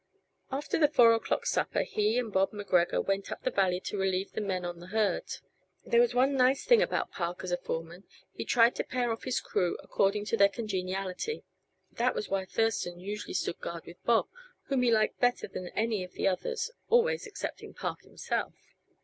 After the four o'clock supper he and Bob MacGregor went up the valley to relieve the men on herd. There was one nice thing about Park as a foreman: he tried to pair off his crew according to their congeniality. That was why Thurston usually stood guard with Bob, whom he liked better than any of the others always excepting Park himself.